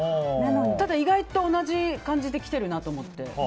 ただ意外と同じ感じで来てるなと思って。